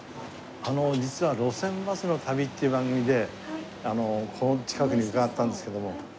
あの実は『路線バスの旅』っていう番組でここの近くに伺ったんですけども。